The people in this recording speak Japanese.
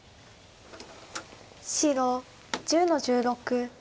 白１０の十六。